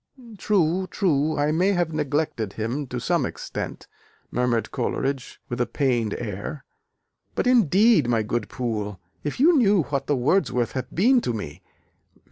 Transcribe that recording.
"True, true, I may have neglected him to some extent," murmured Coleridge with a pained air, "but indeed, my good Poole, if you knew what the Wordsworths have been to me!